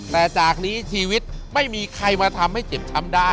แต่จากนี้ชีวิตไม่มีใครมาทำให้เจ็บช้ำได้